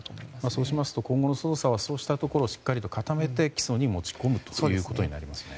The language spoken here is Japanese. そうしますと今後の捜査はそうしたところをしっかりと固めて起訴に持ち込むということになりますね。